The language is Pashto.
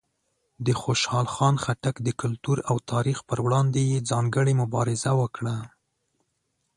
د خوشحال خان خټک د کلتور او تاریخ پر وړاندې یې ځانګړې مبارزه وکړه.